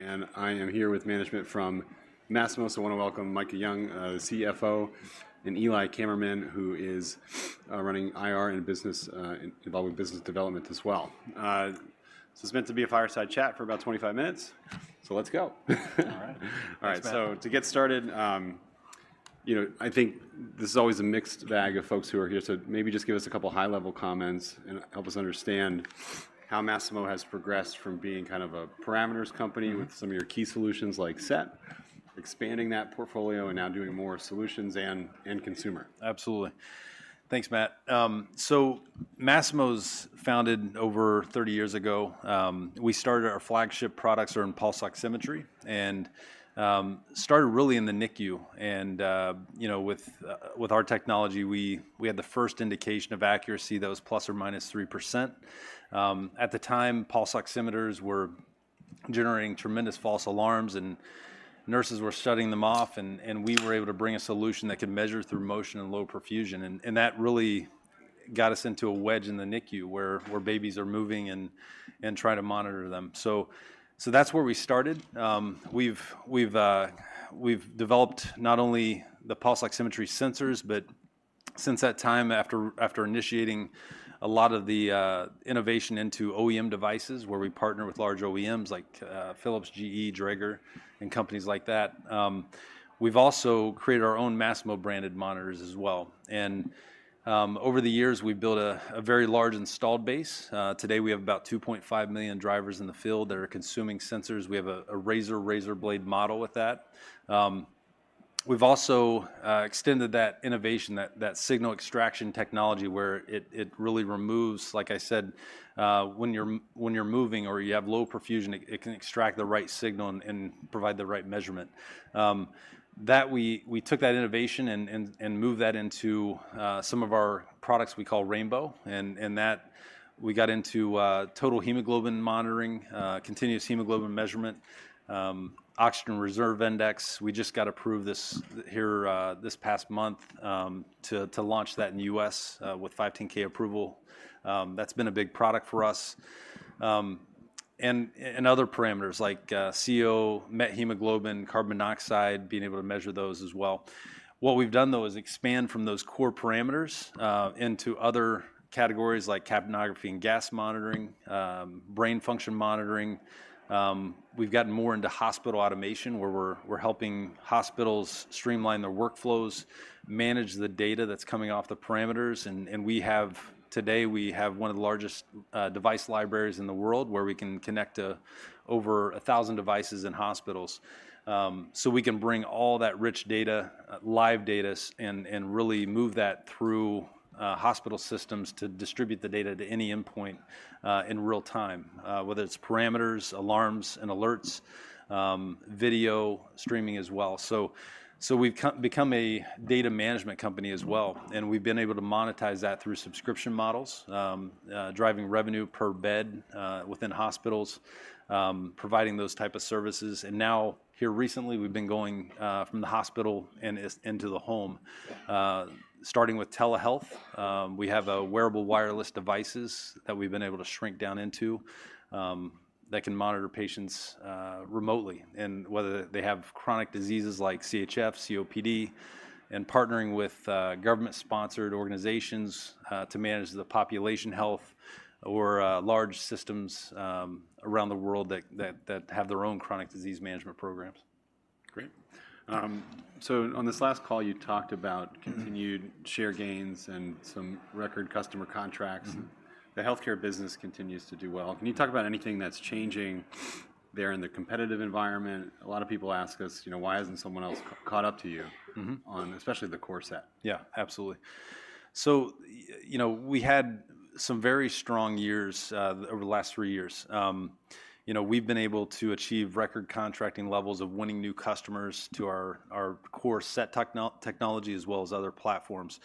I am here with management from Masimo. So I wanna welcome Micah Young, the CFO, and Eli Kammerman, who is running IR and business, involved with business development as well. So it's meant to be a Fireside Chat for about 25 minutes, so let's go. All right. All right. Thanks, Matt. To get started, you know, I think this is always a mixed bag of folks who are here, so maybe just give us a couple high-level comments and help us understand how Masimo has progressed from being kind of a parameters company with some of your key solutions like SET, expanding that portfolio, and now doing more solutions and consumer. Absolutely. Thanks, Matt. So Masimo was founded over 30 years ago. We started our flagship products are in pulse oximetry, and started really in the NICU. And you know, with our technology, we had the first indication of accuracy that was ±3%. At the time, pulse oximeters were generating tremendous false alarms, and nurses were shutting them off, and we were able to bring a solution that could measure through motion and low perfusion. And that really got us into a wedge in the NICU, where babies are moving and try to monitor them. So that's where we started. We've developed not only the pulse oximetry sensors, but since that time, after initiating a lot of the innovation into OEM devices, where we partner with large OEMs like Philips, GE, Dräger, and companies like that, we've also created our own Masimo-branded monitors as well. Over the years, we've built a very large installed base. Today we have about 2.5 million drivers in the field that are consuming sensors. We have a razor blade model with that. We've also extended that innovation, that Signal Extraction Technology, where it really removes, like I said, when you're moving or you have low perfusion, it can extract the right signal and provide the right measurement. That we took that innovation and moved that into some of our products we call Rainbow, and that we got into total hemoglobin monitoring, continuous hemoglobin measurement, Oxygen Reserve Index. We just got approved this past month to launch that in the U.S. with 510(k) approval. That's been a big product for us. And other parameters like CO, methemoglobin, carbon monoxide, being able to measure those as well. What we've done, though, is expand from those core parameters into other categories like capnography and gas monitoring, brain function monitoring. We've gotten more into hospital automation, where we're helping hospitals streamline their workflows, manage the data that's coming off the parameters, and today, we have one of the largest device libraries in the world, where we can connect over 1,000 devices in hospitals. So we can bring all that rich data, live data, and really move that through hospital systems to distribute the data to any endpoint in real time, whether it's parameters, alarms, and alerts, video streaming as well. So we've become a data management company as well, and we've been able to monetize that through subscription models, driving revenue per bed within hospitals, providing those type of services. Now, here recently, we've been going from the hospital and into the home, starting with telehealth. We have wearable wireless devices that we've been able to shrink down into that can monitor patients remotely, and whether they have chronic diseases like CHF, COPD, and partnering with government-sponsored organizations to manage the population health or large systems around the world that have their own chronic disease management programs. Great. So on this last call, you talked about continued share gains and some record customer contracts. The healthcare business continues to do well. Can you talk about anything that's changing there in the competitive environment? A lot of people ask us, you know, why hasn't someone else caught up to you on especially the core SET? Yeah, absolutely. So, you know, we had some very strong years over the last three years. You know, we've been able to achieve record contracting levels of winning new customers to our core SET technology, as well as other platforms.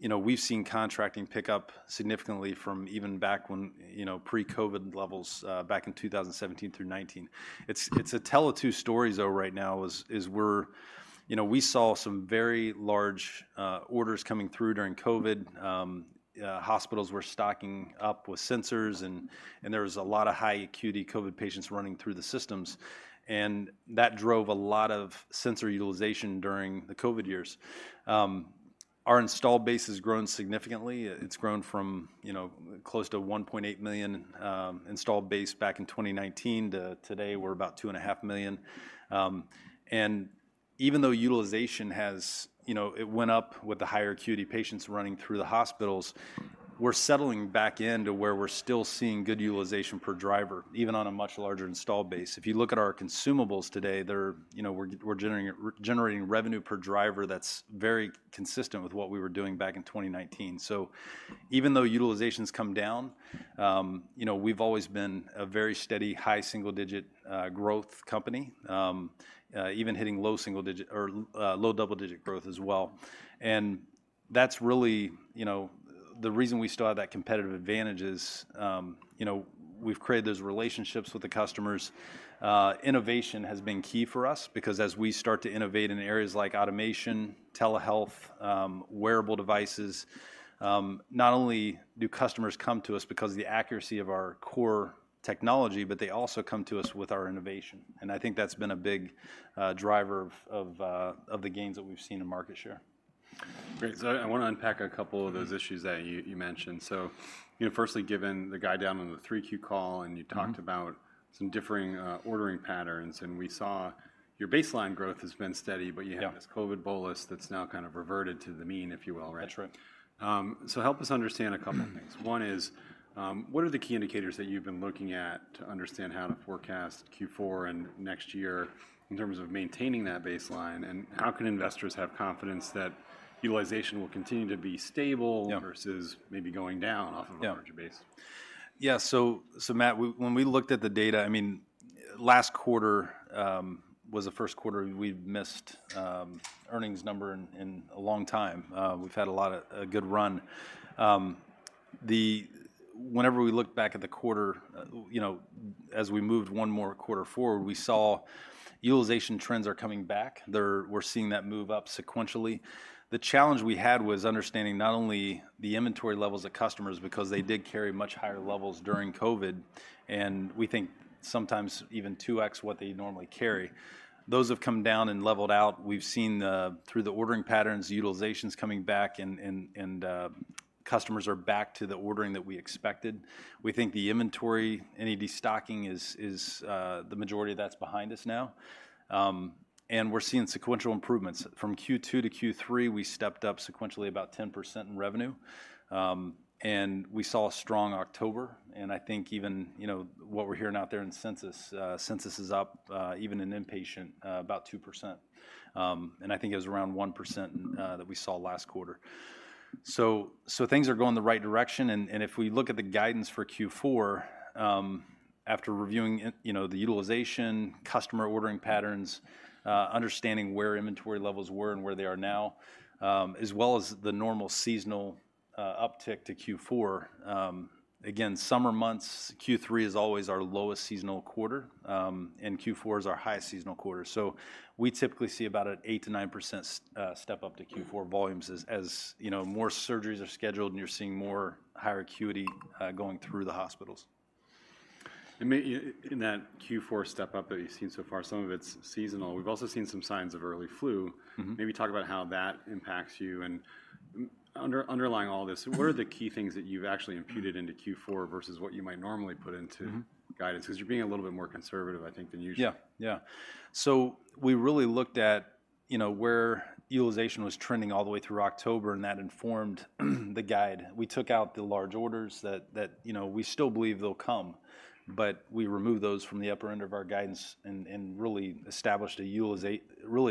You know, we've seen contracting pick up significantly from even back when, you know, pre-COVID levels, back in 2017 through 2019. It's a tale of two stories, though, right now. We're... You know, we saw some very large orders coming through during COVID. Hospitals were stocking up with sensors, and there was a lot of high-acuity COVID patients running through the systems, and that drove a lot of sensor utilization during the COVID years. Our installed base has grown significantly. It's grown from, you know, close to 1.8 million installed base back in 2019 to today, we're about 2.5 million. And even though utilization has. You know, it went up with the higher acuity patients running through the hospitals, we're settling back in to where we're still seeing good utilization per driver, even on a much larger installed base. If you look at our consumables today, they're, you know, we're generating revenue per driver that's very consistent with what we were doing back in 2019. So even though utilization's come down, you know, we've always been a very steady, high-single-digit growth company, even hitting low single-digit or low double-digit growth as well. And that's really, you know, the reason we still have that competitive advantage is, you know, we've created those relationships with the customers. Innovation has been key for us because as we start to innovate in areas like automation, telehealth, wearable devices, not only do customers come to us because of the accuracy of our core technology, but they also come to us with our innovation. And I think that's been a big driver of the gains that we've seen in market share. Great. So I wanna unpack a couple of those issues that you mentioned. So, you know, firstly, given the guide down on the 3Q call, and you talked about some differing ordering patterns, and we saw your baseline growth has been steady, but you have this COVID bolus that's now kind of reverted to the mean, if you will, right? That's right. So, help us understand a couple of things. One is, what are the key indicators that you've been looking at to understand how to forecast Q4 and next year in terms of maintaining that baseline? And how can investors have confidence that utilization will continue to be stable versus maybe going down off of a larger base? Yeah, so Matt, when we looked at the data—I mean, last quarter was the first quarter we've missed earnings number in a long time. We've had a lot of a good run. Whenever we look back at the quarter, you know, as we moved one more quarter forward, we saw utilization trends are coming back. We're seeing that move up sequentially. The challenge we had was understanding not only the inventory levels of customers, because they did carry much higher levels during COVID, and we think sometimes even 2x what they normally carry. Those have come down and leveled out. We've seen through the ordering patterns, utilizations coming back and customers are back to the ordering that we expected. We think the inventory, any de-stocking is the majority of that's behind us now. And we're seeing sequential improvements. From Q2 to Q3, we stepped up sequentially about 10% in revenue. And we saw a strong October, and I think even, you know, what we're hearing out there in census, census is up, even in inpatient, about 2%. And I think it was around 1% that we saw last quarter. So things are going in the right direction, and if we look at the guidance for Q4, after reviewing, you know, the utilization, customer ordering patterns, understanding where inventory levels were and where they are now, as well as the normal seasonal uptick to Q4, again, summer months, Q3 is always our lowest seasonal quarter, and Q4 is our highest seasonal quarter. So we typically see about an 8%-9% step up to Q4 volumes as you know, more surgeries are scheduled, and you're seeing more higher acuity going through the hospitals. And maybe in that Q4 step up that you've seen so far, some of it's seasonal. We've also seen some signs of early flu. Maybe talk about how that impacts you, and underlying all this, what are the key things that you've actually imputed into Q4 versus what you might normally put into guidance? Because you're being a little bit more conservative, I think, than usual. Yeah, yeah. So we really looked at, you know, where utilization was trending all the way through October, and that informed the guide. We took out the large orders that you know—we still believe they'll come, but we removed those from the upper end of our guidance and really established a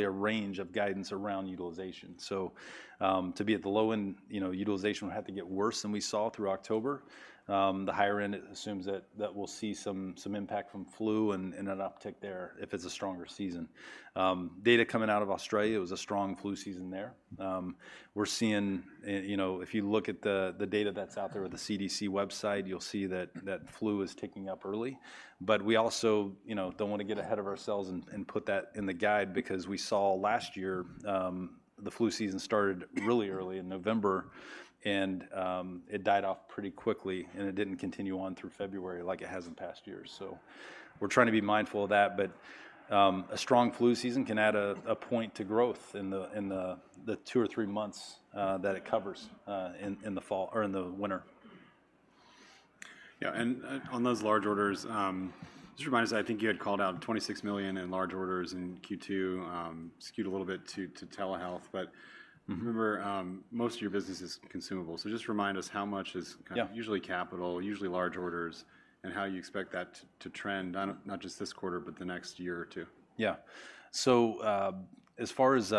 range of guidance around utilization. So to be at the low end, you know, utilization would have to get worse than we saw through October. The higher end assumes that we'll see some impact from flu and an uptick there if it's a stronger season. Data coming out of Australia, it was a strong flu season there. We're seeing, you know, if you look at the data that's out there on the CDC website, you'll see that flu is ticking up early. But we also, you know, don't wanna get ahead of ourselves and put that in the guide because we saw last year the flu season started really early in November, and it died off pretty quickly, and it didn't continue on through February like it has in past years. So we're trying to be mindful of that. But a strong flu season can add a point to growth in the two or three months that it covers in the fall or in the winter. Yeah, and on those large orders, just remind us. I think you had called out $26 million in large orders in Q2, skewed a little bit to telehealth. But remember, most of your business is consumable. So just remind us how much is usually capital, usually large orders, and how you expect that to trend on, not just this quarter, but the next year or two? Yeah. So, as far as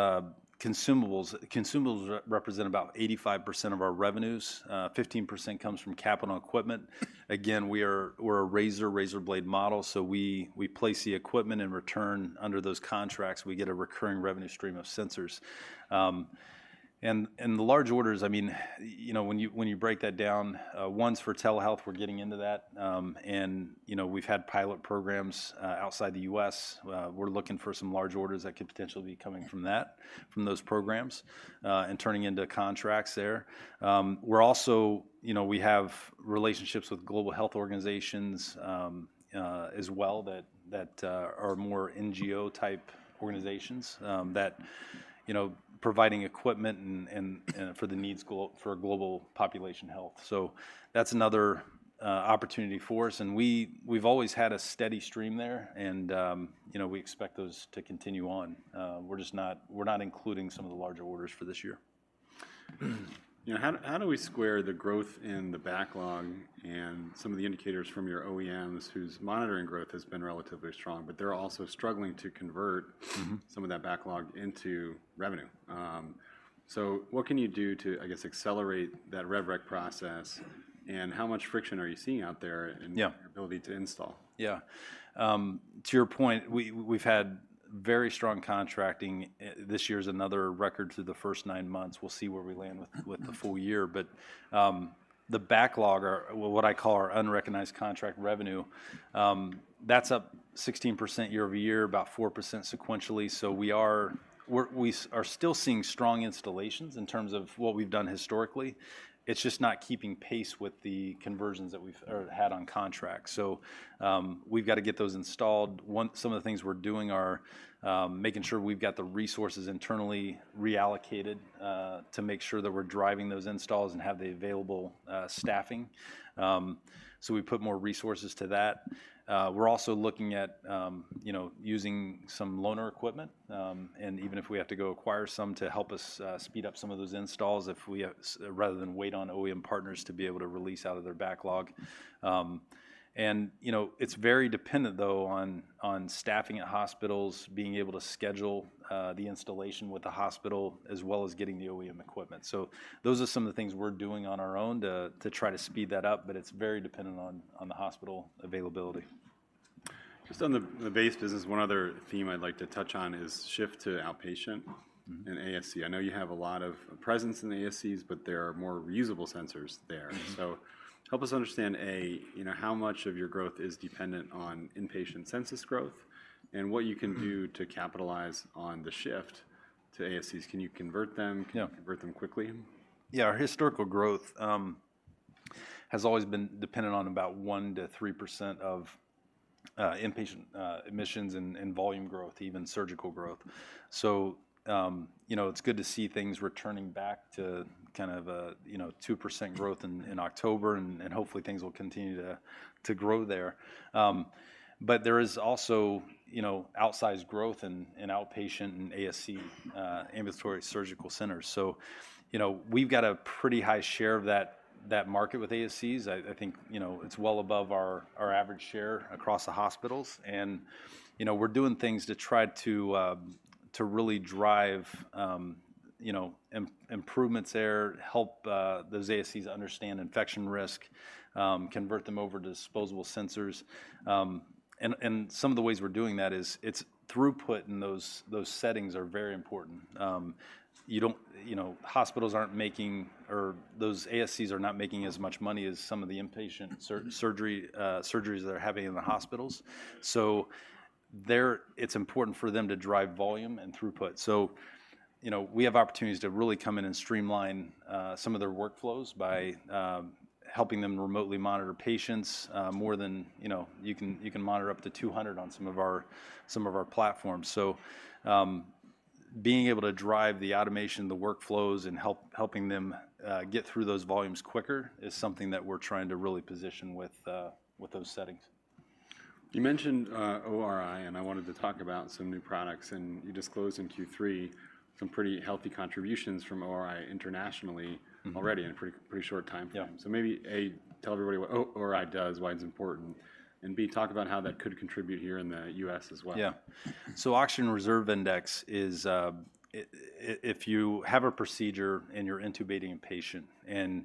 consumables, consumables represent about 85% of our revenues. Fifteen percent comes from capital equipment. Again, we are-- we're a razor-blade model, so we place the equipment, in return under those contracts, we get a recurring revenue stream of sensors. And the large orders, I mean, you know, when you break that down, one's for telehealth, we're getting into that, and, you know, we've had pilot programs outside the U.S. We're looking for some large orders that could potentially be coming from that, from those programs, and turning into contracts there. We're also, you know, we have relationships with global health organizations as well that are more NGO type organizations that, you know, providing equipment and for the needs for global population health. So that's another opportunity for us, and we've always had a steady stream there, and, you know, we expect those to continue on. We're just not including some of the larger orders for this year. You know, how do we square the growth in the backlog and some of the indicators from your OEMs, whose monitoring growth has been relatively strong, but they're also struggling to convert some of that backlog into revenue? So what can you do to, I guess, accelerate that rev rec process, and how much friction are you seeing out there in your ability to install? Yeah. To your point, we've had very strong contracting. This year is another record through the first nine months. We'll see where we land with the full year. But the backlog or what I call our unrecognized contract revenue, that's up 16% year-over-year, about 4% sequentially. So we're still seeing strong installations in terms of what we've done historically. It's just not keeping pace with the conversions that we've had on contract. So we've got to get those installed. Some of the things we're doing are making sure we've got the resources internally reallocated to make sure that we're driving those installs and have the available staffing. So we put more resources to that. We're also looking at, you know, using some loaner equipment, and even if we have to go acquire some to help us speed up some of those installs, rather than wait on OEM partners to be able to release out of their backlog. And, you know, it's very dependent, though, on staffing at hospitals, being able to schedule the installation with the hospital, as well as getting the OEM equipment. So those are some of the things we're doing on our own to try to speed that up, but it's very dependent on the hospital availability. Just on the base business, one other theme I'd like to touch on is shift to outpatient- Mm-hmm. and ASC. I know you have a lot of presence in the ASCs, but there are more reusable sensors there. Help us understand, A, you know, how much of your growth is dependent on inpatient census growth, and what you can do to capitalize on the shift to ASCs? Can you convert them? Yeah. Can you convert them quickly? Yeah, our historical growth has always been dependent on about 1%-3% of inpatient admissions and volume growth, even surgical growth. So, you know, it's good to see things returning back to kind of a 2% growth in October, and hopefully things will continue to grow there. But there is also, you know, outsized growth in outpatient and ASC, ambulatory surgical centers. So, you know, we've got a pretty high share of that market with ASCs. I think, you know, it's well above our average share across the hospitals. And, you know, we're doing things to try to really drive improvements there, help those ASCs understand infection risk, convert them over to disposable sensors. And some of the ways we're doing that is, it's throughput in those settings are very important. You know, hospitals aren't making or those ASCs are not making as much money as some of the inpatient surgeries they're having in the hospitals. So there, it's important for them to drive volume and throughput. So, you know, we have opportunities to really come in and streamline some of their workflows by helping them remotely monitor patients more than. You know, you can monitor up to 200 on some of our platforms. So, being able to drive the automation, the workflows, and helping them get through those volumes quicker is something that we're trying to really position with those settings. You mentioned ORi, and I wanted to talk about some new products. You disclosed in Q3 some pretty healthy contributions from ORi internationally already in a pretty, pretty short time frame. Yeah. So maybe, A, tell everybody what ORi does, why it's important, and, B, talk about how that could contribute here in the U.S. as well. Yeah. So Oxygen Reserve Index is, if you have a procedure and you're intubating a patient, and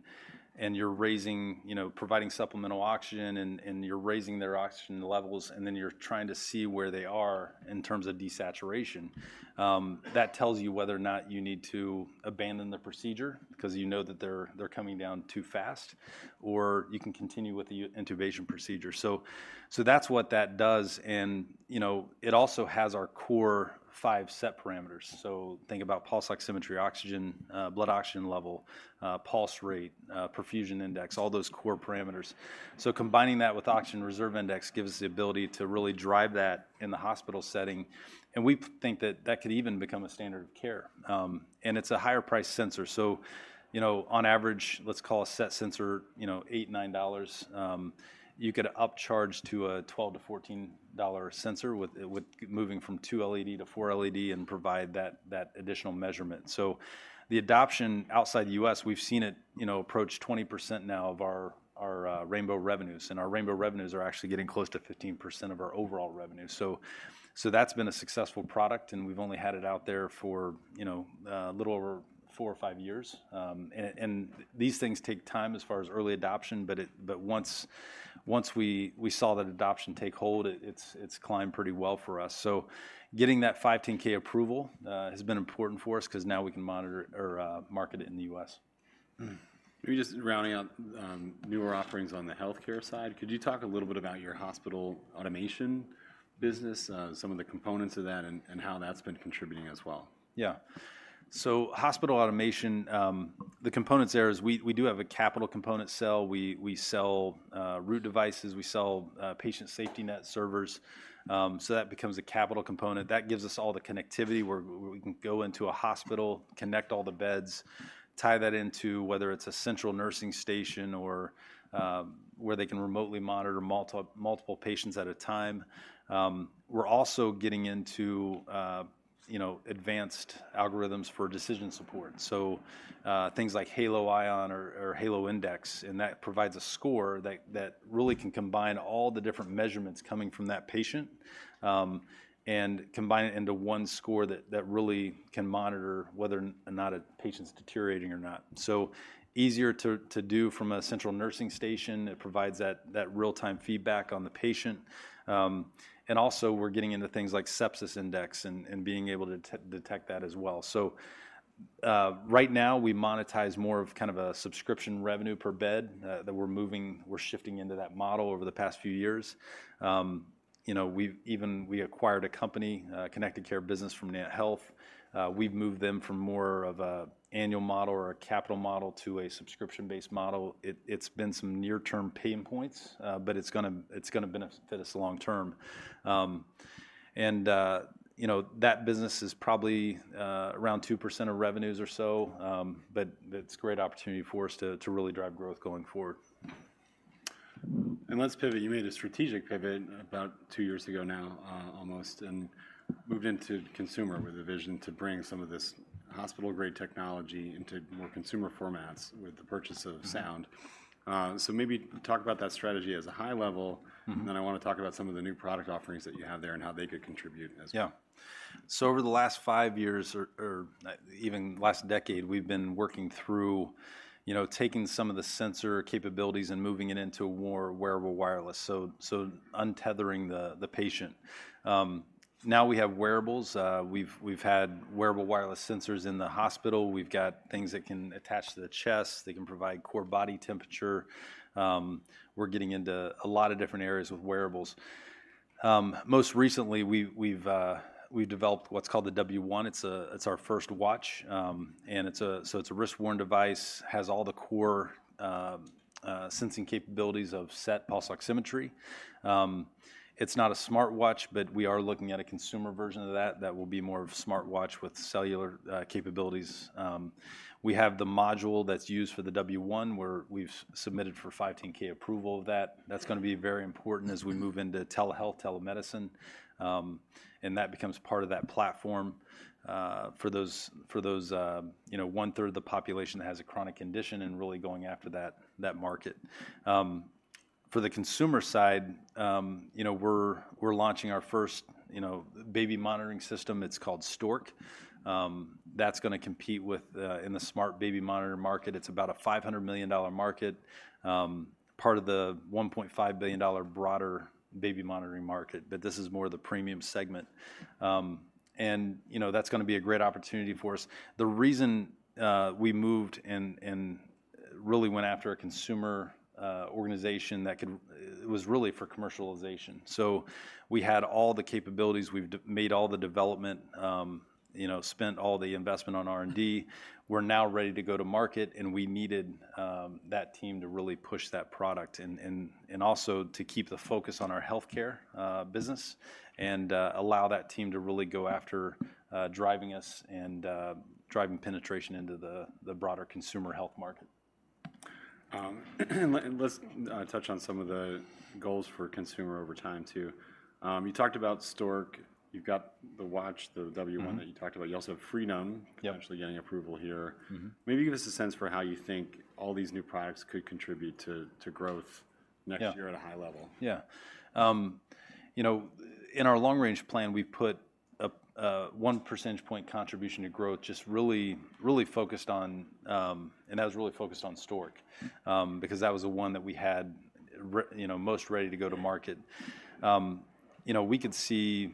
you're raising—you know, providing supplemental oxygen, and you're raising their oxygen levels, and then you're trying to see where they are in terms of desaturation, that tells you whether or not you need to abandon the procedure because you know that they're coming down too fast, or you can continue with the intubation procedure. So that's what that does, and, you know, it also has our core five SET parameters. So think about pulse oximetry, oxygen, blood oxygen level, pulse rate, perfusion index, all those core parameters. So combining that with Oxygen Reserve Index gives us the ability to really drive that in the hospital setting, and we think that that could even become a standard of care. And it's a higher priced sensor. So, you know, on average, let's call a SET sensor, you know, $8-$9. You could upcharge to a $12-$14 sensor with moving from two LED to four LED and provide that additional measurement. So the adoption outside the U.S., we've seen it, you know, approach 20% now of our rainbow revenues, and our rainbow revenues are actually getting close to 15% of our overall revenue. So that's been a successful product, and we've only had it out there for, you know, a little over four or five years. And these things take time as far as early adoption, but once we saw that adoption take hold, it's climbed pretty well for us. So getting that 510(k) approval has been important for us because now we can monitor or market it in the U.S. Maybe just rounding out newer offerings on the healthcare side, could you talk a little bit about your hospital automation business, some of the components of that, and how that's been contributing as well? Yeah. So hospital automation, the components there is we do have a capital component sell. We sell Root devices, we sell Patient SafetyNet servers, so that becomes a capital component. That gives us all the connectivity, where we can go into a hospital, connect all the beds, tie that into whether it's a central nursing station or where they can remotely monitor multiple patients at a time. We're also getting into you know, advanced algorithms for decision support, so things like Halo ION or Halo Index, and that provides a score that really can combine all the different measurements coming from that patient, and combine it into one score that really can monitor whether or not a patient's deteriorating or not. So easier to do from a central nursing station. It provides that real-time feedback on the patient. And also, we're getting into things like Sepsis Index and being able to detect that as well. So, right now, we monetize more of kind of a subscription revenue per bed that we're shifting into that model over the past few years. You know, we've even acquired a company, connected care business from NantHealth. We've moved them from more of an annual model or a capital model to a subscription-based model. It's been some near-term pain points, but it's gonna benefit us long term. And, you know, that business is probably around 2% of revenues or so. But that's a great opportunity for us to really drive growth going forward. Let's pivot. You made a strategic pivot about two years ago now, almost, and moved into consumer with a vision to bring some of this hospital-grade technology into more consumer formats with the purchase of Sound. So maybe talk about that strategy as a high level. And then I wanna talk about some of the new product offerings that you have there, and how they could contribute as well. Yeah. So over the last five years or even the last decade, we've been working through, you know, taking some of the sensor capabilities and moving it into more wearable wireless, so untethering the patient. Now we have wearables. We've had wearable wireless sensors in the hospital. We've got things that can attach to the chest. They can provide core body temperature. We're getting into a lot of different areas with wearables. Most recently, we've developed what's called the W1. It's our first watch, and it's a wrist-worn device, has all the core sensing capabilities of SET pulse oximetry. It's not a smartwatch, but we are looking at a consumer version of that. That will be more of a smartwatch with cellular capabilities. We have the module that's used for the W1, where we've submitted for 510(k) approval of that. That's gonna be very important as we move into telehealth, telemedicine. And that becomes part of that platform, for those, you know, one-third of the population that has a chronic condition and really going after that market. For the consumer side, you know, we're launching our first, you know, baby monitoring system. It's called Stork. That's gonna compete with in the smart baby monitor market. It's about a $500 million market, part of the $1.5 billion broader baby monitoring market, but this is more the premium segment. And, you know, that's gonna be a great opportunity for us. The reason we moved and really went after a consumer organization that can. It was really for commercialization. So we had all the capabilities. We've made all the development, you know, spent all the investment on R&D. We're now ready to go to market, and we needed that team to really push that product and also to keep the focus on our healthcare business and allow that team to really go after driving us and driving penetration into the broader consumer health market. And let's touch on some of the goals for consumer over time, too. You talked about Stork. You've got the watch, the W1 that you talked about. You also have Freedom. Yeah Potentially getting approval here. Maybe give us a sense for how you think all these new products could contribute to, to growth next year at a high level. Yeah. You know, in our long-range plan, we've put a, a one percentage point contribution to growth, just really, really focused on. And that was really focused on Stork, because that was the one that we had you know, most ready to go to market. You know, we could see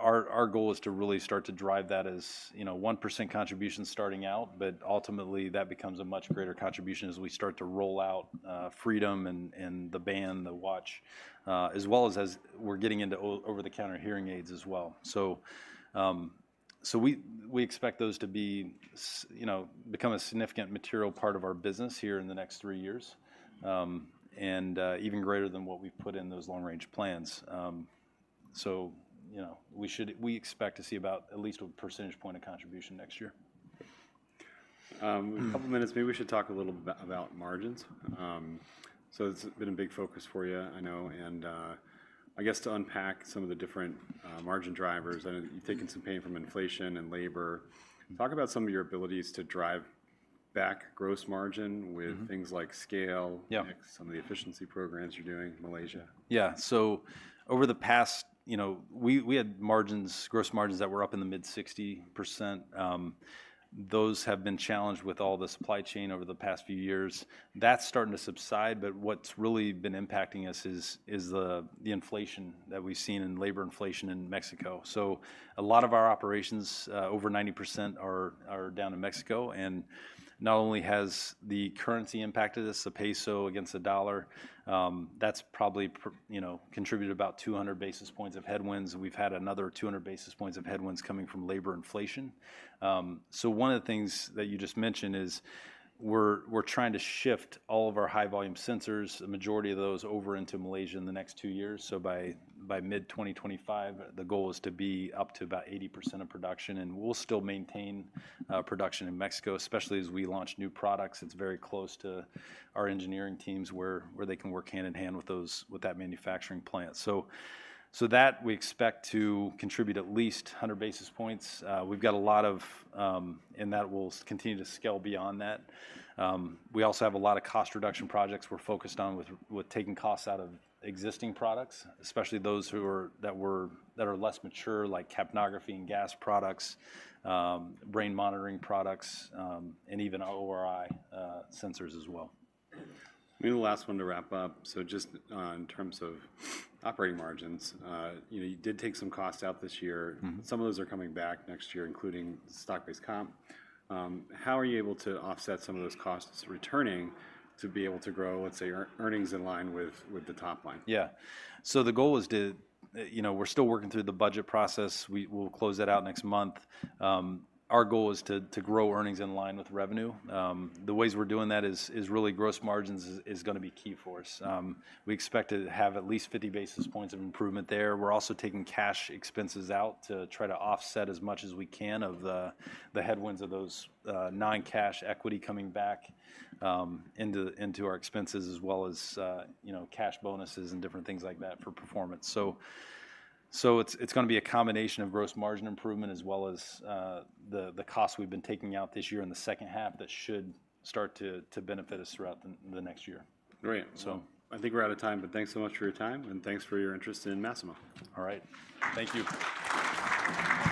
our, our goal is to really start to drive that as, you know, 1% contribution starting out, but ultimately, that becomes a much greater contribution as we start to roll out, Freedom and, and the band, the watch, as well as, as we're getting into over-the-counter hearing aids as well. So, so we, we expect those to be you know, become a significant material part of our business here in the next three years, and, even greater than what we've put in those long-range plans. So, you know, we expect to see about at least a percentage point of contribution next year. In a couple minutes, maybe we should talk a little bit about margins. It's been a big focus for you, I know, and I guess to unpack some of the different margin drivers. I know you've taken some pain from inflation and labor. Talk about some of your abilities to drive back gross margin with things like scale. Yeah. Next, some of the efficiency programs you're doing in Malaysia. Yeah. So over the past, you know, we had margins, gross margins that were up in the mid-60%. Those have been challenged with all the supply chain over the past few years. That's starting to subside, but what's really been impacting us is the inflation that we've seen and labor inflation in Mexico. So a lot of our operations, over 90% are down in Mexico, and not only has the currency impacted us, the peso against the dollar, that's probably contributed about 200 basis points of headwinds, and we've had another 200 basis points of headwinds coming from labor inflation. So one of the things that you just mentioned is we're trying to shift all of our high-volume sensors, the majority of those, over into Malaysia in the next two years. So by mid-2025, the goal is to be up to about 80% of production, and we'll still maintain production in Mexico, especially as we launch new products. It's very close to our engineering teams, where they can work hand-in-hand with that manufacturing plant. So that we expect to contribute at least 100 basis points. We've got a lot of. And that will continue to scale beyond that. We also have a lot of cost reduction projects we're focused on with taking costs out of existing products, especially that are less mature, like capnography and gas products, brain monitoring products, and even ORi sensors as well. Maybe the last one to wrap up, so just, in terms of operating margins, you know, you did take some costs out this year. Some of those are coming back next year, including stock-based comp. How are you able to offset some of those costs returning to be able to grow, let's say, your earnings in line with the top line? Yeah. So the goal is to. you know, we're still working through the budget process. We'll close that out next month. Our goal is to grow earnings in line with revenue. The ways we're doing that is really gross margins is gonna be key for us. We expect to have at least 50 basis points of improvement there. We're also taking cash expenses out to try to offset as much as we can of the headwinds of those non-cash equity coming back into our expenses, as well as you know, cash bonuses and different things like that for performance. It's gonna be a combination of gross margin improvement, as well as the costs we've been taking out this year in the second half that should start to benefit us throughout the next year. Great. I think we're out of time, but thanks so much for your time, and thanks for your interest in Masimo. All right. Thank you.